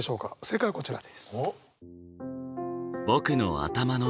正解はこちらです。